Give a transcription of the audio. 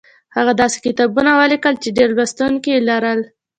هغه داسې کتابونه ولیکل چې ډېر لوستونکي یې لرل